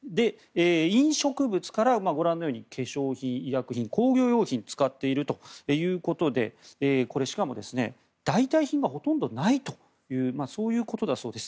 飲食物からご覧のように化粧品、医薬品、工業用品に使っているということでこれしかも、代替品はほとんどないということだそうです。